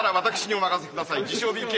自称ＢＫ